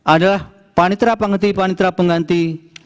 adalah panitra penghenti panitra penghenti